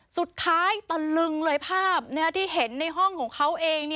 ตะลึงเลยภาพที่เห็นในห้องของเขาเอง